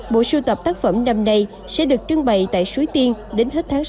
bộ sưu tập tác phẩm năm nay sẽ được trưng bày tại suối tiên đến hết tháng sáu năm hai nghìn hai mươi ba